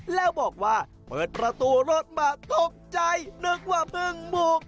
แล้วบอกว่าเปิดประตูรถมาตกใจนึกว่าบึ้งบุก